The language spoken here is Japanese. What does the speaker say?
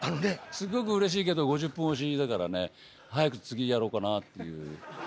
すっごくうれしいけど５０分押しだからね早く次やろうかなっていう。